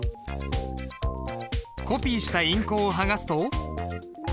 コピーした印稿を剥がすと。